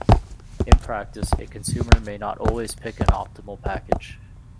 In practice, a consumer may not always pick an optimal package.